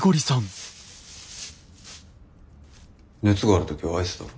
熱がある時はアイスだろ？